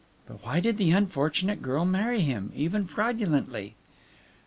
"But why did the unfortunate girl marry him, even fraudulently?"